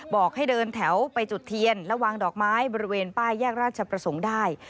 บอกให้เดินแถวไปจุดเทียนและวางดอกไม้บริเวณป้ายแยกราชประสงค์ได้